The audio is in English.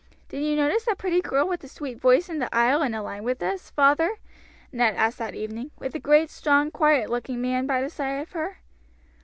"Did you notice that pretty girl with the sweet voice in the aisle in a line with us, father," Ned asked that evening, "with a great, strong, quiet looking man by the side of her?"